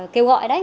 kêu gọi đấy